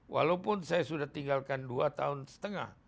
walaupun saya sudah tinggalkan dua tahun setengah